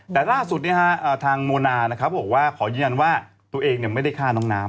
แต่ล่าสุดทางโมนานะครับบอกว่าขอยืนยันว่าตัวเองไม่ได้ฆ่าน้องน้ำ